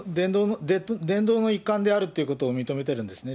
伝道の一環であるということを認めているんですね。